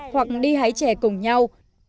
hoặc đi hái chè cùng nhau